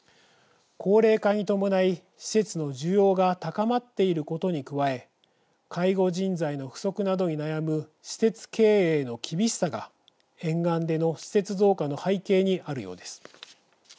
高齢化に伴い、施設の需要が高まっていることに加え介護人材の不足などに悩む施設経営の厳しさが、沿岸での施設増加の背景にあるようです。